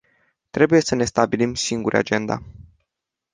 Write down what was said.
Trebuie să ne stabilim singuri agenda.